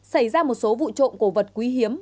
xảy ra một số vụ trộm cổ vật quý hiếm